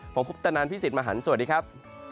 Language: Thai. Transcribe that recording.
ผมคุปตนันพี่สิทธิ์มหันฯสวัสดีครับ